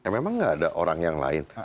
memang nggak ada orang yang lain